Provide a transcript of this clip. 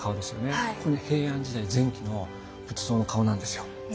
これ平安時代前期の仏像の顔なんですよ。